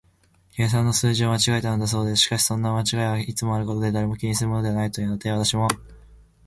計算の数字を間違えたのだそうです。しかし、そんな間違いはいつもあることで、誰も気にするものはないというので、私も少し安心しました。